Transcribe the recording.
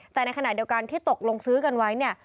แต่ในขณะเดียวกันที่ตกลงซื้อกันไว้เนี่ย